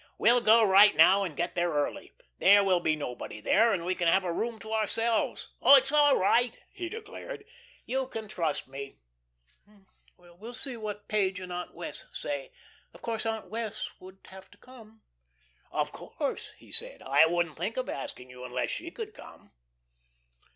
"We'll go right now and get there early. There will be nobody there, and we can have a room to ourselves. Oh, it's all right," he declared. "You just trust me." "We'll see what Page and Aunt Wess' say. Of course Aunt Wess' would have to come." "Of course," he said. "I wouldn't think of asking you unless she could come."